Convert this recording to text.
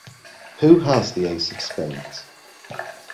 Who has the ace of spades?